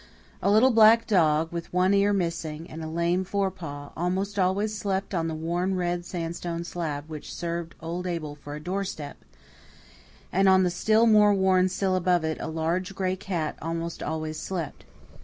A little black dog, with one ear missing and a lame forepaw, almost always slept on the worn red sandstone slab which served old Abel for a doorstep; and on the still more worn sill above it a large gray cat almost always slept.